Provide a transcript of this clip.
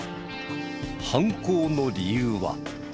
犯行の理由は。